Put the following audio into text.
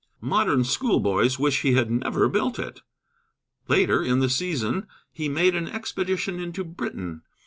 Modern schoolboys wish he had never built it. Later in the season he made an expedition into Britain.